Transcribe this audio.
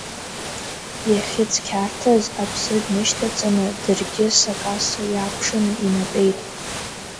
Иахьыцқьарҭаз аԥсы днышьҭаҵаны, даргьы сакаса иаакәшаны инатәеит.